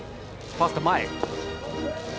ファーストは前。